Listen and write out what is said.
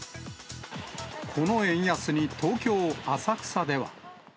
この円安に、東京・浅草では。